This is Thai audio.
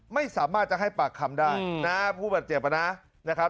ไม่สามารถจะให้ปากคำได้นะผู้บาดเจ็บนะครับ